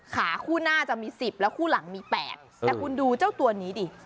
ขาคู่หน้าจะมี๑๐แล้วคู่หลังมี๘แต่คุณดูเจ้าตัวนี้ดิ